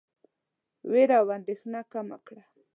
وېره او اندېښنه کمه کړه.